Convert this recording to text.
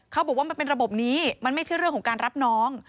เขาบอกว่ามันเป็นระบบนี้มันไม่ใช่เรื่องของการรับน้อง